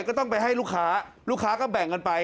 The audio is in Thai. ก็ต้องไปให้ลูกค้าลูกค้าก็แบ่งกันไป